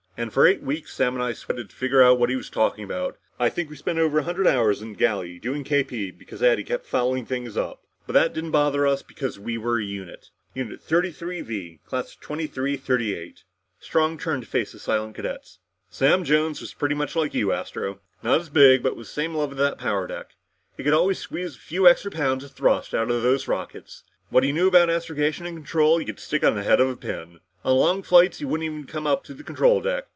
And for eight weeks Sam and I sweated to figure out what he was talking about. I think we spent over a hundred hours in the galley doing KP because Addy kept getting us fouled up. But that didn't bother us because we were a unit. Unit 33 V. Class of 2338." Strong turned to face the silent cadets. "Sam Jones was pretty much like you, Astro. Not as big, but with the same love for that power deck. He could always squeeze a few extra pounds of thrust out of those rockets. What he knew about astrogation and control, you could stick on the head of a pin. On long flights he wouldn't even come up to the control deck.